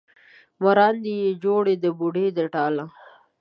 مراندې یې جوړې د بوډۍ د ټاله